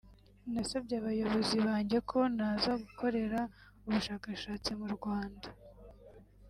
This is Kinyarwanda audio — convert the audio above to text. nasabye abayobozi banjye ko naza gukorera ubushakashatsi mu Rwanda